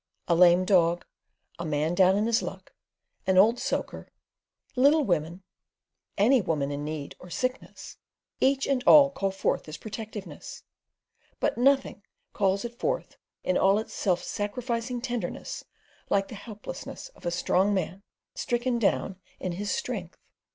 A lame dog, a man down in his luck, an old soaker, little women any woman in need or sickness—each and all call forth this protectiveness; but nothing calls it forth in all its self sacrificing tenderness like the helplessness of a strong man stricken down in his strength.